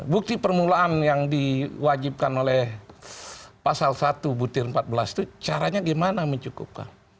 bukti permulaan yang diwajibkan oleh pasal satu butir empat belas itu caranya gimana mencukupkan